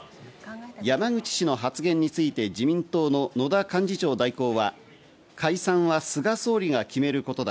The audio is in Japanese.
山口氏の発言について自民党の野田幹事長代行は解散は菅総理が決めることだ。